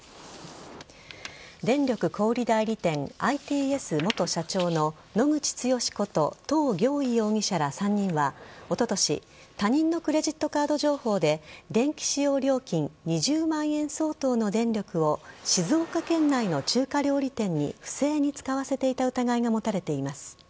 電力小売代理店Ｉ・Ｔ・Ｓ元社長の野口剛ことトウ・ギョウイ容疑者ら３人はおととし他人のクレジットカード情報で電気使用料金２０万円相当の電力を静岡県内の中華料理店に不正に使わせていた疑いが持たれています。